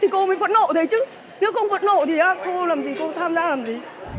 cô mới phẫn nộ thế chứ nếu không có nộ thì cô làm gì cô tham gia làm gì